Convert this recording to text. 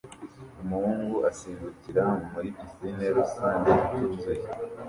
Umuhungu asimbukira muri pisine rusange ituzuye